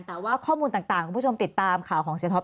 แต่ว่าข้อมูลต่างคุณผู้ชมติดตามข่าวของเสียท็อ